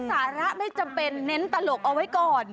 สาระไม่จำเป็นเน้นตลกเอาไว้ก่อน